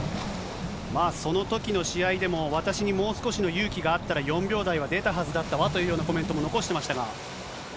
そのときの試合でも、私にもう少しの勇気があったら４秒台は出たはずだったわというようなコメントも残してましたが。